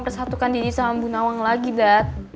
bersatukan deddy sama bu nawang lagi dad